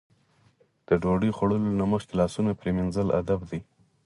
د ډوډۍ خوړلو نه مخکې لاسونه پرېمنځل ادب دی.